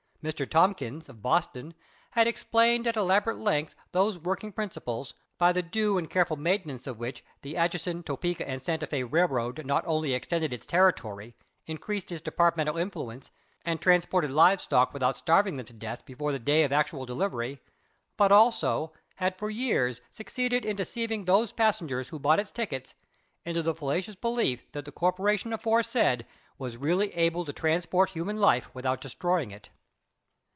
Mr. Tompkins, of Boston, had explained at elaborate length those working principles, by the due and careful maintenance of which the Atchison, Topeka, and Santa Fé Railroad not only extended its territory, increased its departmental influence, and transported live stock without starving them to death before the day of actual delivery, but, also, had for years succeeded in deceiving those passengers who bought its tickets into the fallacious belief that the corporation aforesaid was really able to transport human life without destroying it.